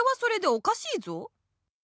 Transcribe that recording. おかしい？